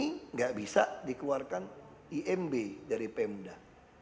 tidak bisa dikeluarkan imb dari pemda